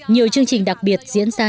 nhiều chương trình đặc biệt diễn ra